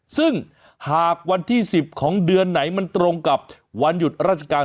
ซึ่งหากวันที่๑๐ของเดือนไหนมันตรงกับวันหยุดราชการ